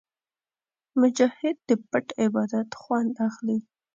مجاهد د پټ عبادت خوند اخلي.